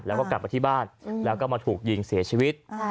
แล้วก็กลับมาที่บ้านแล้วก็มาถูกยิงเสียชีวิต